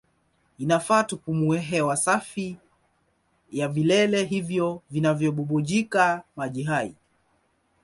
Inafaa tupumue hewa safi ya vilele hivyo vinavyobubujika maji hai.